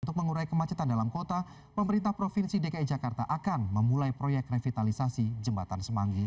untuk mengurai kemacetan dalam kota pemerintah provinsi dki jakarta akan memulai proyek revitalisasi jembatan semanggi